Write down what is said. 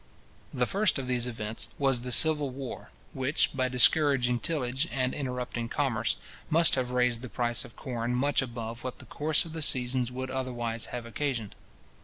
The first of these events was the civil war, which, by discouraging tillage and interrupting commerce, must have raised the price of corn much above what the course of the seasons would otherwise have occasioned.